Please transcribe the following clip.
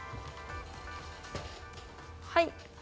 はい。